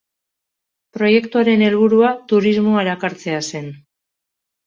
Proiektuaren helburua turismoa erakartzea zen.